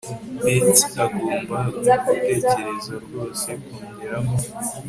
Bets agomba gutekereza rwose kongeramo